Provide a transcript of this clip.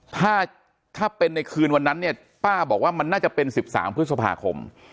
ถ้าถ้าเป็นในคืนวันนั้นเนี่ยป้าบอกว่ามันน่าจะเป็น๑๓พฤษภาคม